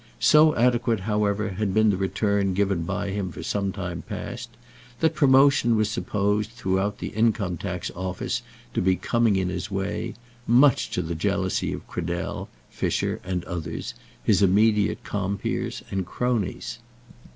So adequate, however, had been the return given by him for some time past, that promotion was supposed throughout the Income tax Office to be coming in his way, much to the jealousy of Cradell, Fisher, and others, his immediate compeers and cronies.